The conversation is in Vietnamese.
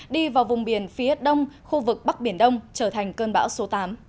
đi vào vùng biển phía đông khu vực bắc biển đông trở thành cơn bão số tám